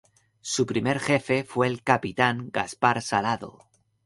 Su primer Jefe fue el Capitán Gaspar Salado.